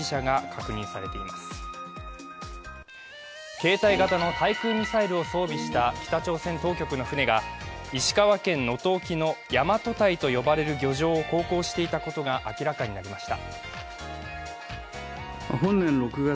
携帯型の対空ミサイルを装備した北朝鮮当局の船が石川県能登沖の大和堆と呼ばれる漁場を航行していたことが明らかになりました。